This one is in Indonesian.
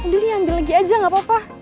dia ambil lagi aja gak apa apa